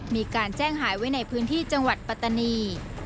มีการแจ้งหายไว้ในพื้นที่จังหวัดปัตตานี